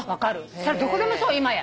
それどこでもそう今や。